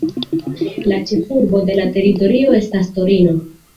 La ĉefurbo de la teritorio estas Torino.